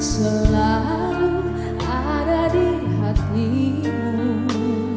selalu ada di hatimu